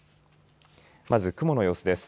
まず雲の様子です。